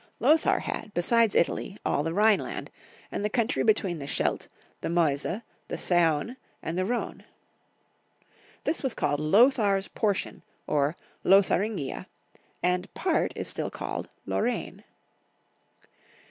Lothar had, besides Italy, all the Rhineland, and the country between the Scheldt, the Meuse, the Saone, and the Rhone. This was called Lothar's portion, or Lotharingia, and part is still called Lorraine.